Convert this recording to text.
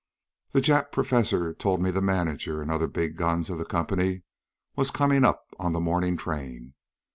"The Jap professor'd told me the manager an' the other big guns of the company was comin' up on the mornin' train.